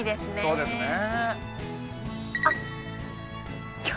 そうですね